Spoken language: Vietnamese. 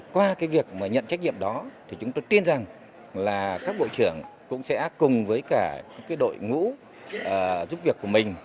qua việc nhận trách nhiệm đó chúng tôi tin rằng các bộ trưởng cũng sẽ cùng với đội ngũ giúp việc của mình